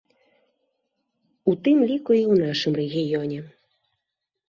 У тым ліку, і ў нашым рэгіёне.